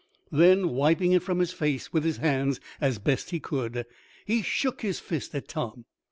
Then, wiping it from his face, with his hands, as best he could, he shook his fist at Tom.